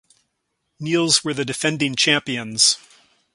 Nils were the defending champions.